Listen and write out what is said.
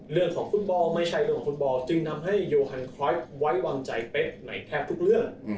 เรื่องของฟุตบอลไม่ใช่เรื่องของฟุตบอลจึงทำให้โยฮันครอสไว้วางใจเป๊กในแทบทุกเรื่อง